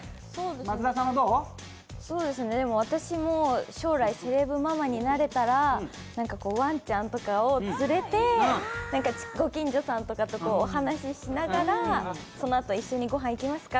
私も将来、セレブママになれたらワンちゃんとかを連れて、ご近所さんとかとお話しながら、そのあと一緒に御飯いきますか？